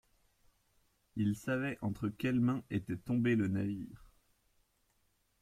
Il savait entre quelles mains était tombé le navire...